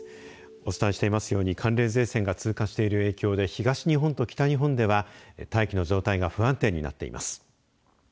お伝えしていますように寒冷前線が通過している影響で東日本と北日本では大気の状態が不安定になっています。